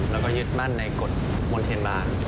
และก็ยึดมั่นในกฎมลเทรนบาร์